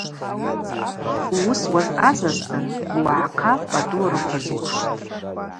Ууыс уазъазазтын ууагӏахъа пӏатӏу рыквызлуштӏ.